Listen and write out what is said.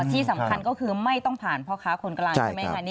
ที่สำคัญก็คือไม่ต้องผ่านพ่อค้าคนกลางใช่ไหมคะ